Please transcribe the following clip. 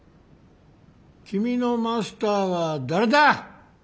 君のマスターは誰だ！